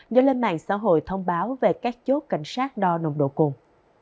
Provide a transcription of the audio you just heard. do lên mạng xã hội thông báo về các chốt cảnh sát đo nồng độ cồn